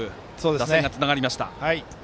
打線がつながりました。